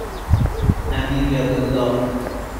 امیریدالله